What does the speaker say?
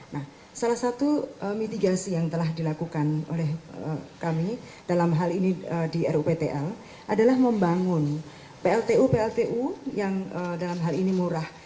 nah salah satu mitigasi yang telah dilakukan oleh kami dalam hal ini di ruptl adalah membangun pltu pltu yang dalam hal ini murah